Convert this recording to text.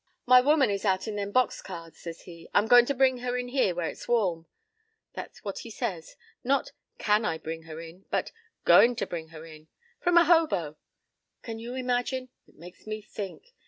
p> "'My woman is out in them box cars,' says he. 'I'm goin' to bring her in here where it's warm.' That's what he says. Not 'can I bring her in?' but 'goin' to bring her in!' From a hobo! "Can you imagine? It makes me think.